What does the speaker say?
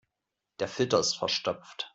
Der Filter ist verstopft.